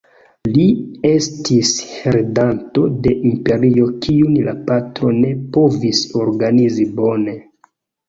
Li estis heredanto de imperio kiun la patro ne povis organizi bone.